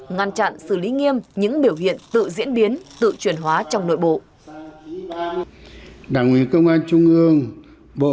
ngăn chặn xử lý nghiêm những biểu hiện tự diễn biến tự truyền hóa trong nội bộ